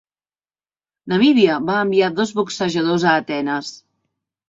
Namíbia va enviar dos boxejadors a Atenes.